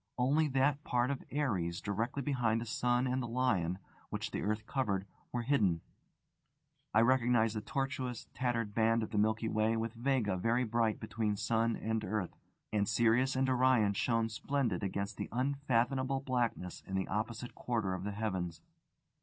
Only that part of Aries directly behind the sun and the Lion, which the earth covered, were hidden. I recognised the tortuous, tattered band of the Milky Way with Vega very bright between sun and earth; and Sirius and Orion shone splendid against the unfathomable blackness in the opposite quarter of the heavens.